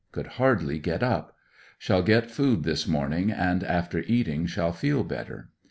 Could hardly get up. Shall get food this morning, and after eatim^r shall feel better.